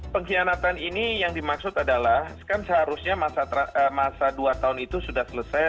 pengkhianatan ini yang dimaksud adalah kan seharusnya masa dua tahun itu sudah selesai